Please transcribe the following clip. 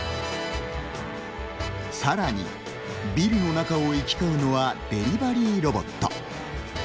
さらに、ビルの中を行き交うのはデリバリーロボット。